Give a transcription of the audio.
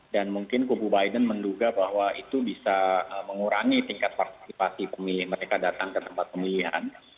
dan mungkin kubu biden menduga bahwa itu bisa mengurangi tingkat partisipasi pemilih mereka datang ke tempat pemilihan